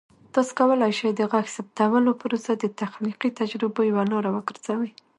تاسو کولی شئ د غږ ثبتولو پروسه د تخلیقي تجربو یوه لاره وګرځوئ.